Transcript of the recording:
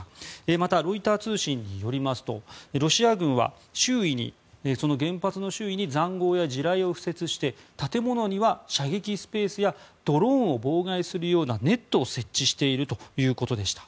また、ロイター通信によりますとロシア軍は原発の周囲に塹壕や地雷を敷設して建物には射撃スペースやドローンを妨害するようなネットを設置しているということでした。